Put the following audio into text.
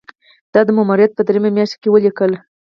دا د ماموریت په دریمه میاشت کې یې ولیکل.